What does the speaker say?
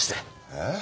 えっ？